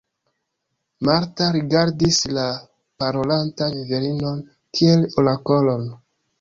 Marta rigardis la parolantan virinon kiel orakolon.